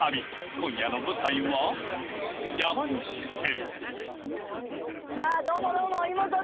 今夜の舞台はさぁどうもどうも。